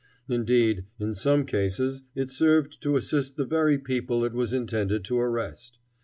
Indeed, in some cases it served to assist the very people it was intended to arrest.